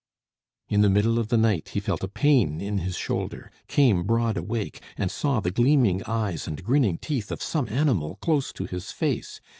In the middle of the night he felt a pain in his shoulder, came broad awake, and saw the gleaming eyes and grinning teeth of some animal close to his face.